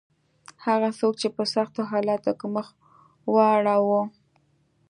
هغه څوک چې په سختو حالاتو کې مخ واړاوه.